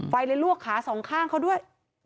ไฟเลยลวกขาสองข้างเขาด้วย